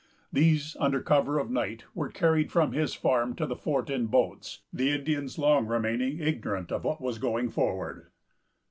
These, under cover of night, were carried from his farm to the fort in boats, the Indians long remaining ignorant of what was going forward.